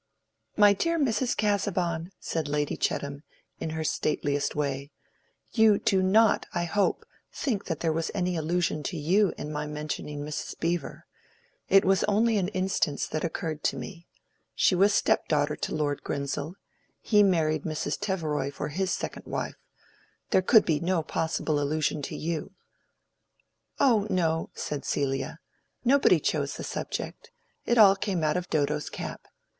"My dear Mrs. Casaubon," said Lady Chettam, in her stateliest way, "you do not, I hope, think there was any allusion to you in my mentioning Mrs. Beevor. It was only an instance that occurred to me. She was step daughter to Lord Grinsell: he married Mrs. Teveroy for his second wife. There could be no possible allusion to you." "Oh no," said Celia. "Nobody chose the subject; it all came out of Dodo's cap.